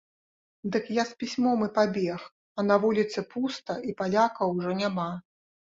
Дык я з пісьмом і пабег, а на вуліцы пуста і палякаў ужо няма.